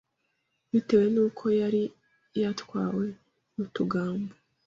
bitewe n’uko yari yatwawe n’utugambo